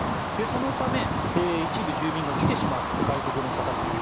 そのため、一部住民が来てしまうと、外国の方が。